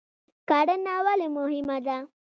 کرهڼه ولې مهمه ده؟